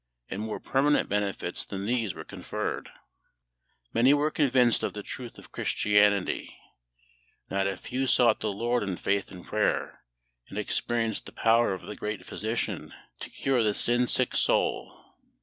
And more permanent benefits than these were conferred. Many were convinced of the truth of Christianity; not a few sought the LORD in faith and prayer, and experienced the power of the Great Physician to cure the sin sick soul.